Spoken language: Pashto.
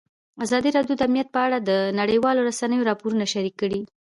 ازادي راډیو د امنیت په اړه د نړیوالو رسنیو راپورونه شریک کړي.